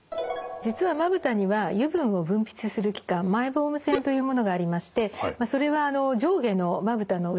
実はまぶたには油分を分泌する器官マイボーム腺というものがありましてそれは上下のまぶたの裏側にあります。